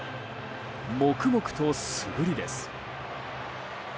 黙々と素振りです。